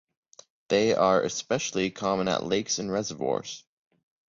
They are especially common at lakes and reservoirs.